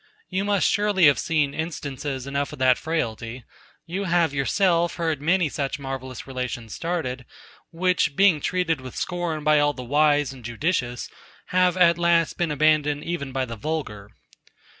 You must surely have seen instances enough of that frailty. You have yourself heard many such marvellous relations started, which, being treated with scorn by all the wise and judicious, have at last been abandoned even by the vulgar.